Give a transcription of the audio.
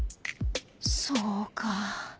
そうか！